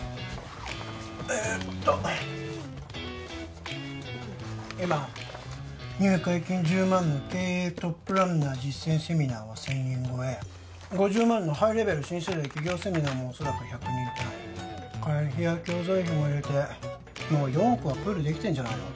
えーっと今入会金１０万の経営トップランナー実践セミナーは１０００人超え５０万のハイレベル新世代起業セミナーもおそらく１００人単位会費や教材費も入れてもう４億はプールできてんじゃないの？